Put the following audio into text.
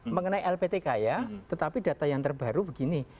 mengenai lptk ya tetapi data yang terbaru begini